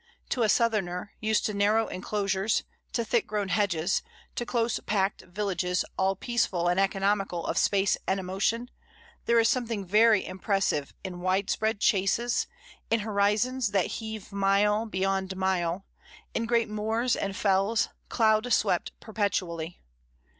To a southerner, used to narrow en closures, to thick grown hedges, to close packed villages all peaceful and economical of space and emotion, there is something very impressive in widespread chases, in horizons that heave mile beyond mile, in great moors and fells, doud swept perpetually.